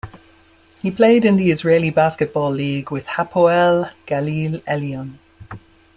He played in the Israeli Basketball League with Hapoel Galil Elyon.